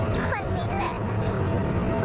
คนนี้แหละ